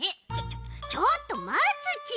ちょちょっとまつち。